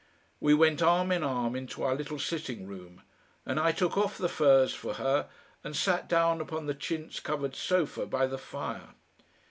We went arm in arm into our little sitting room, and I took off the fur's for her and sat down upon the chintz covered sofa by the fire.